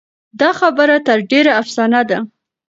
دا خبره تر ډېره افسانه ده.